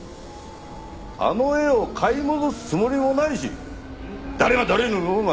あの絵を買い戻すつもりもないし誰が誰に売ろうが勝手にしろ。